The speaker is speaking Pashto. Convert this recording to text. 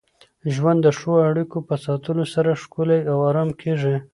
ژوند د ښو اړیکو په ساتلو سره ښکلی او ارام کېږي.